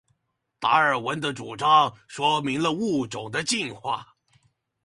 達爾文的主張說明了物種的進化